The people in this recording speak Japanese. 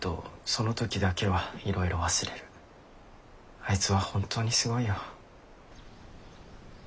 あいつは本当にすごいよ。